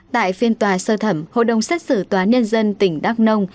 tại phiên tòa sơ thẩm hộ đồng xét xử tòa nhân dân tỉnh đắk nông